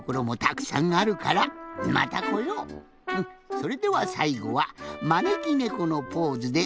それではさいごはまねきねこのポーズでおわかれです。